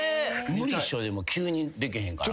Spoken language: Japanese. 無理っしょでも急にできへんから。